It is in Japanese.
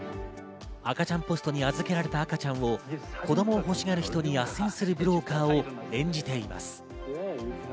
赤ちゃんポストに預けられた赤ちゃんを子供を欲しがる人に斡旋するブローカーを演じています。